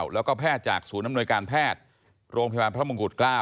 แล้วก็แพทย์จากศูนย์อำนวยการแพทย์โรงพยาบาลพระมงกุฎเกล้า